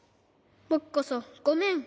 ぼくこそごめん。